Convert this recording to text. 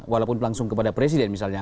walaupun langsung kepada presiden misalnya